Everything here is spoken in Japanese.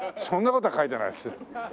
そんな事は書いてないですよ。